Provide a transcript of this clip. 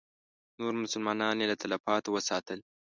نور مسلمانان یې له تلفاتو وساتل.